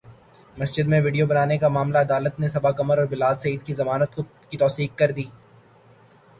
مسجد میں ویڈیو بنانے کا معاملہ عدالت نے صبا قمر اور بلال سعید کی ضمانت کی توثیق کردی